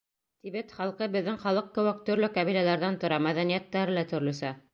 — Тибет халҡы беҙҙең халыҡ кеүек төрлө ҡәбиләләрҙән тора, мәҙәниәттәре лә төрлөсә.